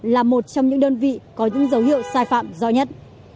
là một trong những đơn vị có những dấu hiệu sai phạm do nhất